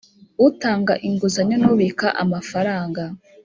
utanga inguzanyo n ubika amafaranga